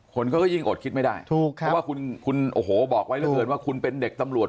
คนก็ยิ่งโอดคิดไม่ได้คุณเป็นเด็กตำลูก